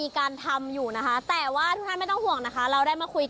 ขอขอ